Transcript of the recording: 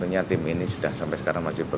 tentunya tim ini sudah sampai sekarang masih